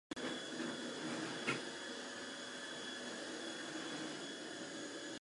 It features clubs from the municipality.